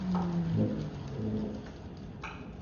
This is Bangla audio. হাই, দেখা হয়ে ভালো লাগলো।